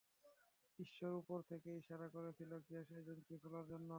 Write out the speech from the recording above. ঈশ্বর উপর থেকে ইশারা করছিলো, গ্যাস এজেন্সি খোলার জন্য।